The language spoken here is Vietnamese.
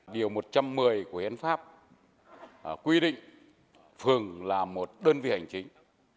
điều một trăm một mươi của hiến pháp quy định phường là một đơn vị hành chính